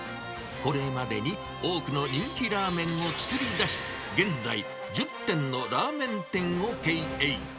これまでに多くの人気ラーメンを作り出し、現在、１０店のラーメン店を経営。